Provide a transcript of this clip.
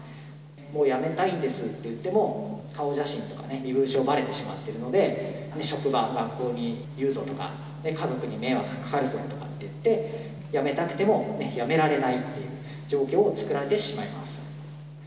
もうやめたいんですって言っても、顔写真とか身分証ばれてしまっているので、職場、学校に言うぞとか、家族に迷惑がかかるとか言って、やめたくてもやめられないっていう状況を作られてしまいます。